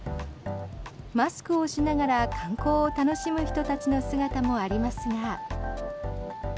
マスクをしながら観光を楽しむ人たちの姿もありますが。